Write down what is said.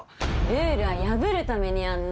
ルールは破るためにあんの。